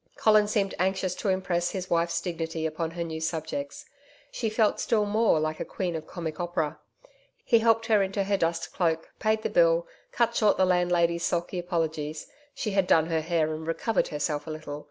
Colin seemed anxious to impress his wife's dignity upon her new subjects. She felt still more like a queen of comic opera. He helped her into her dust cloak, paid the bill, cut short the landlady's sulky apologies she had done her hair and recovered herself a little.